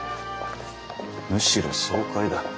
むしろ爽快だ。